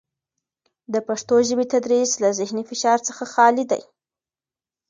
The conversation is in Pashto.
د پښتو ژبې تدریس له زهني فشار څخه خالي دی.